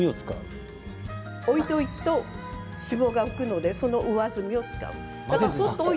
置いておくと脂肪が浮くのでその上澄みを使います。